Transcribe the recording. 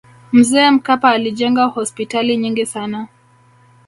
mzee mkapa alijenga hospitali nyingi sana